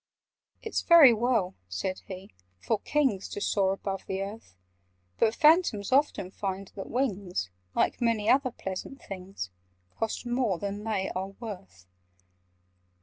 "It's very well," said he, "for Kings To soar above the earth: But Phantoms often find that wings— Like many other pleasant things— Cost more than they are worth.